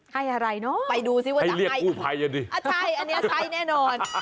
ให้อะไรเนอะให้เรียกกู้ภัยอ่ะดิไปดูซิว่าจะให้ใช่อันนี้ใช่แน่นอน